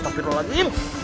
sampai jumpa lagi